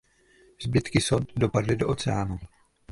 Zbytky sond dopadly do oceánu.